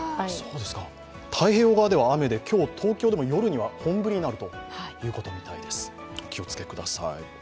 太平洋側では雨で、今日、東京でも夜には本降りになるということみたいです、お気をつけください。